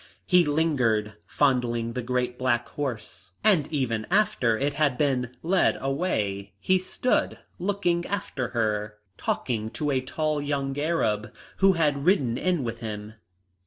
He lingered, fondling the great black horse, and even after it had been led away he stood looking after it, talking to a tall young Arab who had ridden in with him.